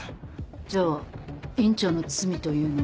じゃあ院長の罪というのは。